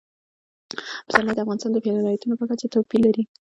پسرلی د افغانستان د ولایاتو په کچه توپیر لري.